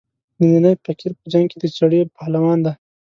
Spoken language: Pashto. نینی فقیر په جنګ کې د چړې پهلوان دی.